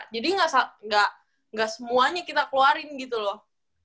jadi enggak semuanya kita keluarin gitu loh